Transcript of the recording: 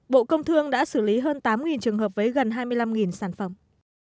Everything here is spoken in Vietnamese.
bộ công thương đã xử lý hơn tám trường hợp với gần hai mươi năm sản phẩm